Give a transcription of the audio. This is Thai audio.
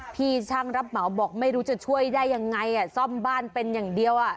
พี่ช่างรับเหมาบอกไม่รู้จะช่วยได้ยังไงซ่อมบ้านเป็นอย่างเดียว